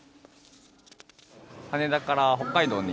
羽田から北海道に。